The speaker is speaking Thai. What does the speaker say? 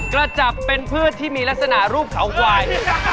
กระจับเป็นพืชที่มีลักษณะรูปเขาควาย